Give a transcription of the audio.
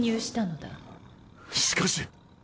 しかし！